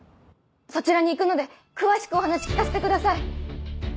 そちらに行くので詳しくお話聞かせてください。